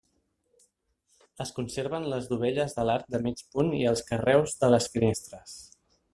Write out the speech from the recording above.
Es conserven les dovelles de l'arc de mig punt i els carreus de les finestres.